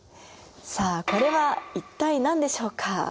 さあこれは一体何でしょうか？